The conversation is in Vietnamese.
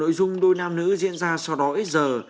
nội dung đôi nam nữ diễn ra sau đó ít giờ